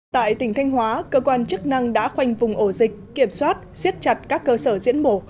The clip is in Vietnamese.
tại tỉnh thanh hóa cơ quan chức năng đã khoanh vùng ổ dịch kiểm soát xiết chặt các cơ sở diễn bổ